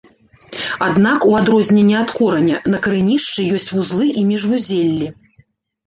Аднак, у адрозненне ад кораня, на карэнішчы ёсць вузлы і міжвузеллі.